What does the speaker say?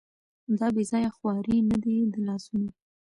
دا بېځايه خوارۍ نه دي د لاسونو